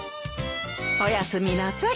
おやすみなさい。